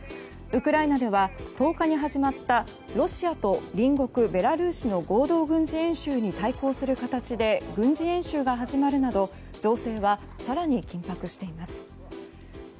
ウクライナでは１０日に始まったロシアと隣国ベラルーシの合同軍事演習に対抗する形で軍事演習が始まるなど情勢は更に緊迫しています。